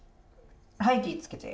はい気ぃ付けて。